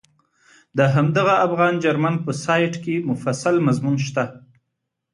د همدغه افغان جرمن په سایټ کې مفصل مضمون شته.